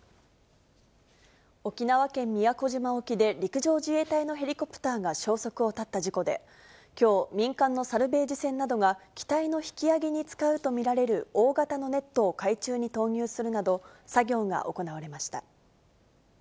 沖縄県宮古島沖で、陸上自衛隊のヘリコプターが消息を絶った事故で、きょう、民間のサルベージ船などが、機体の引き揚げに使うと見られる大型のネットを海中に投入するなど、作業が行われました。